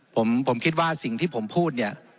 ผมคิดว่าสิ่งที่ผมพูดเนี่ย